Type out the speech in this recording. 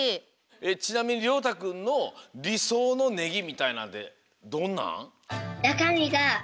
ちなみにりょうたくんのりそうのねぎみたいなんてどんなん？